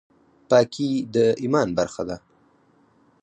پاکي د ایمان برخه ده